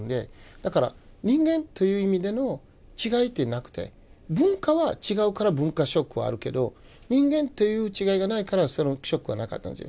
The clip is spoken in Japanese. だから人間という意味での違いってなくて文化は違うから文化ショックはあるけど人間という違いがないからそのショックはなかったんですよ。